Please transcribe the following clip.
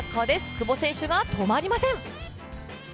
久保選手が止まりません。